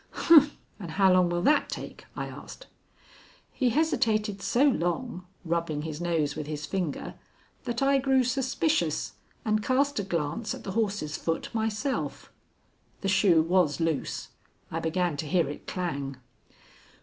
"Humph, and how long will that take?" I asked. He hesitated so long, rubbing his nose with his finger, that I grew suspicious and cast a glance at the horse's foot myself. The shoe was loose. I began to hear it clang.